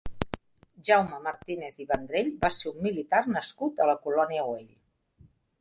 Jaume Martínez i Vendrell va ser un militar nascut a La Colònia Güell.